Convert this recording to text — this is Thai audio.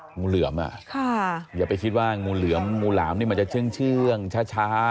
งูเหลือมอย่าไปคิดว่างูเหลือมงูหลามนี่มันจะเชื่องช้า